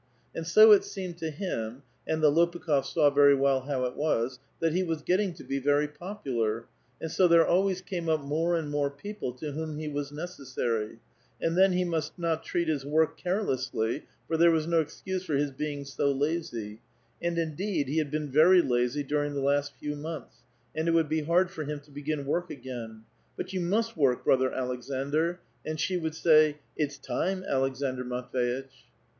) And so it seemed to him — and the Lopukh6fs saw very well how it was — that he was getting to be very popular, and so there always came up more and more people to whom he was necessarv : and then he must not treat his work care lessly, for there was no excuse for his being so lazy ; and, indeed, he had been very lazy during the last few months, and it would be hard for him to begin work again ;" But you must work, brother Aleksandr," and she would say, '* It's time, Aleksandr Matv^itch."